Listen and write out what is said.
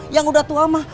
yang udah tua mah